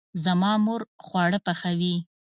زما مور خواړه پخوي